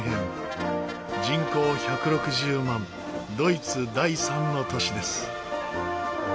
人口１６０万ドイツ第三の都市です。